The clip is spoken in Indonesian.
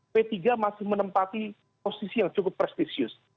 p tiga masih menempati posisi yang cukup prestisius